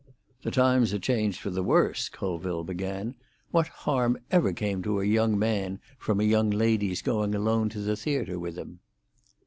"The times are changed for the worse," Colville began. "What harm ever came to a young man from a young lady's going alone to the theatre with him?"